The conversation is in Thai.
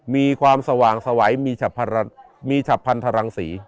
มีความสว่างสวัยมีฉับพันธรังศรี